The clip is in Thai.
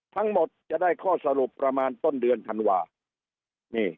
ทั้งหมดจะได้ข้อสรุปประมาณต้นเดือนธันวานี่